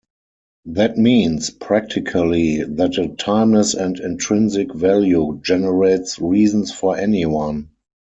That means, practically, that a timeless and intrinsic value generates reasons for anyone.